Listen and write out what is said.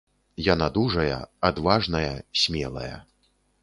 Яна дужая, адважная, смелая.